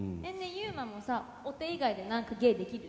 ユーマもさお手以外で何か芸できる？